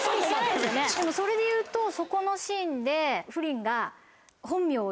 でもそれで言うとそこのシーンで。